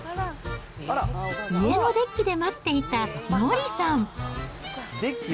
家のデッキで待っていた乃りさん。